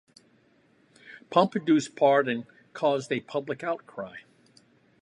Pompidou's pardon caused a public outcry.